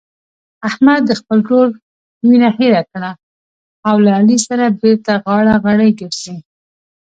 احمد د خپل ورور وینه هېره کړه له علي سره بېرته غاړه غړۍ ګرځي.